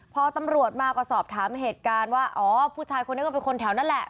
พอตำรวจมาก็สอบถามเหตุการณ์ว่าอ๋อผู้ชายคนนี้ก็เป็นคนแถวนั้นแหละ